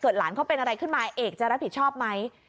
หลานเขาเป็นอะไรขึ้นมาเอกจะรับผิดชอบไหม